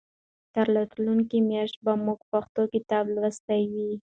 تر راتلونکې میاشتې به موږ پښتو کتاب لوستی وي.